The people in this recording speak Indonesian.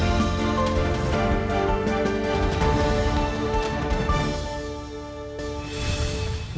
dan hanya seorang fadlizon